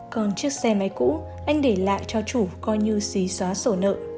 còn chiếc xe máy cũ anh để lại cho chủ coi như xí xóa sổ nợ